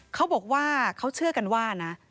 เขาบอกว่าเขาเชื่อกันว่านะ